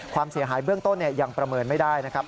ความเสียหายเบื้องต้นยังประเมินไม่ได้นะครับ